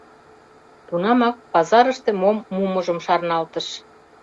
Тунамак пазарыште мом мумыжым шарналтыш.